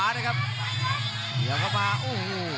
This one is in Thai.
เดี๋ยวก็มาโอ้โห